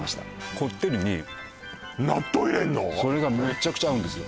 こってりにそれがめちゃくちゃ合うんですよ